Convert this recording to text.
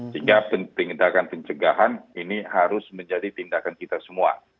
sehingga tindakan pencegahan ini harus menjadi tindakan kita semua